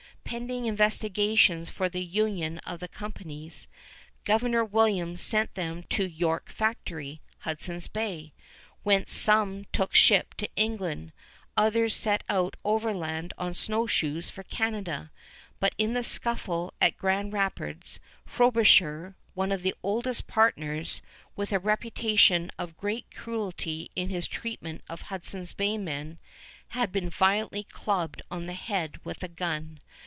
Pending investigations for the union of the companies, Governor Williams sent them to York Factory, Hudson Bay, whence some took ship to England, others set out overland on snowshoes for Canada; but in the scuffle at Grand Rapids, Frobisher, one of the oldest partners, with a reputation of great cruelty in his treatment of Hudson's Bay men, had been violently clubbed on the head with a gun.